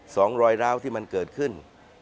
สองรอยร้าวที่มันเกิดขึ้น